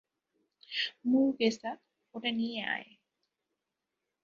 মুরুগেসা, ওটা নিয়ে আয়।